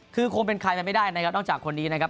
คือคงเป็นใครมันไม่ได้แล้วเนี่ยครับนี้นะครับ